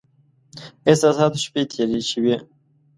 احساساتو شپې تېرې شوې.